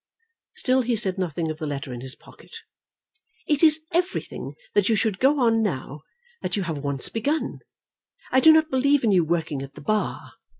Still he said nothing of the letter in his pocket. "It is everything that you should go on now that you have once begun. I do not believe in you working at the Bar.